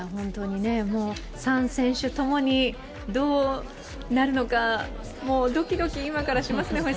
３選手ともにどうなるのかドキドキ、今からしますね。